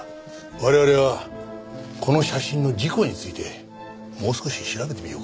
我々はこの写真の事故についてもう少し調べてみようか。